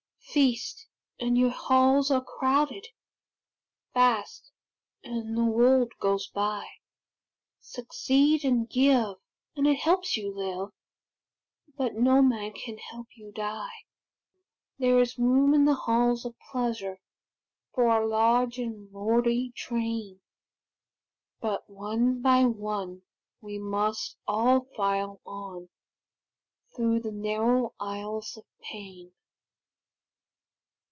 Feast, and your halls are crowded; Fast, and the world goes by. Succeed and give, and it helps you live, But no man can help you die. There is room in the halls of pleasure For a large and lordly train, But one by one we must all file on Through the narrow aisles of pain.